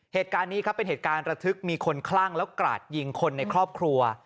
เหตุการณ์นี้ครับเป็นเหตุการณ์ระทึกมีคนคลั่งแล้วกราดยิงคนในครอบครัว